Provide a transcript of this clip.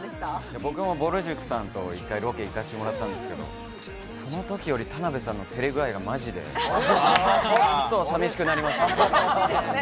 僕も、ぼる塾さんと１回、ロケに行かせていただいたんですが、その時より田辺さんのテレ具合がマジで、さみしくなりました。